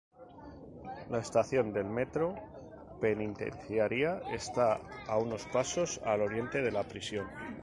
La estación del metro Penitenciaría está a unos pasos al oriente de la prisión.